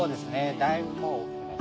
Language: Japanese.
だいぶもう。